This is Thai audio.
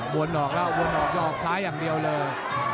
วนออกแล้ววนออกจะออกซ้ายอย่างเดียวเลย